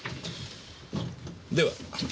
では。